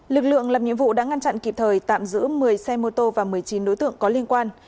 lực lượng làm nhiệm vụ đã ngăn chặn kịp thời tạm giữ một mươi xe mô tô và một mươi chín đối tượng có liên quan